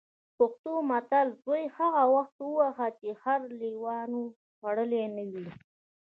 پښتو متل: زوی هغه وخت وهه چې خر لېوانو خوړلی نه وي.